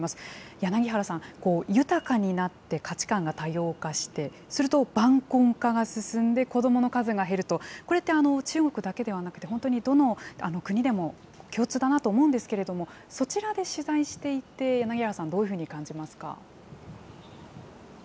柳原さん、豊かになって価値観が多様化して、すると晩婚化が進んで、子どもの数が減ると、これって、中国だけではなくて、本当にどの国でも共通だなと思うんですけれども、そちらで取材していて、柳原さん、どのように感じますか。